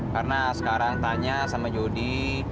karena sekarang tanya sama jody